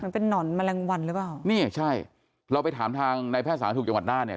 มันเป็นห่อนแมลงวันหรือเปล่านี่ใช่เราไปถามทางในแพทย์สาธารณสุขจังหวัดน่านเนี่ย